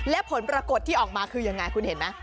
และผลปรากฏที่ออกมาคือยังไงคุณเห็นไหม